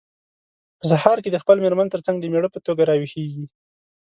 په سهار کې د خپلې مېرمن ترڅنګ د مېړه په توګه راویښیږي.